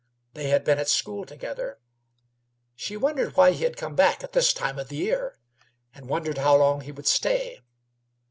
They had been at school together. She wondered why he had come back at this time of the year, and wondered how long he would stay.